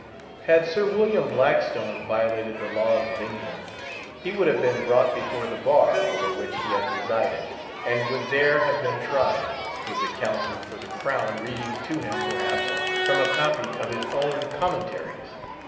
Had Sir William Blackstone violated the laws of England, he would have been brought before the bar over which he had presided, and would there have been tried, with the counsel for the crown reading to him, perhaps, from a copy of his own Commentaries.